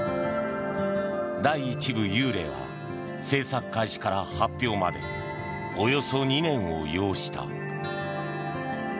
第１部「幽霊」は制作開始から発表までおよそ２年を要した。